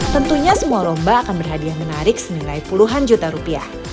tentunya semua lomba akan berhadiah menarik senilai puluhan juta rupiah